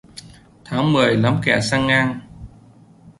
Tháng mười lắm kẻ sang ngang